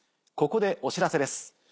ここでお知らせです。